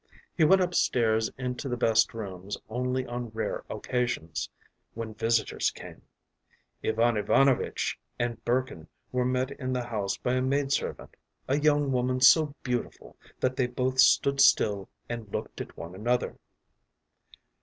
He went upstairs into the best rooms only on rare occasions, when visitors came. Ivan Ivanovitch and Burkin were met in the house by a maid servant, a young woman so beautiful that they both stood still and looked at one another.